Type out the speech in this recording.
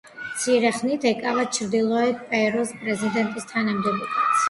მცირე ხნით ეკავა ჩრდილოეთი პერუს პრეზიდენტის თანამდებობაც.